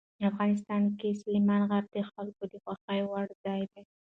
افغانستان کې سلیمان غر د خلکو د خوښې وړ ځای دی.